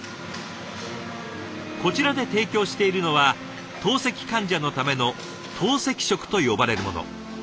こちらで提供しているのは透析患者のための透析食と呼ばれるもの。